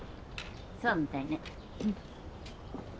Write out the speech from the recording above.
そうみたいね。